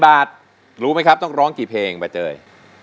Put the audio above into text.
บาทรู้ไหมครับต้องร้องกี่เพลงใบเตย